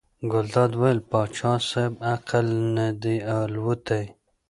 ګلداد وویل پاچا صاحب عقل نه دی الوتی.